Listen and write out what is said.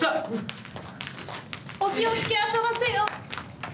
お気をつけあそばせよ！